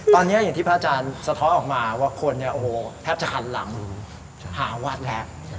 ตอนนี้อย่างที่พระอาจารย์สะท้อนออกมาว่าคนเนี่ยโอ้โหแทบจะหันหลังหาวัดแล้ว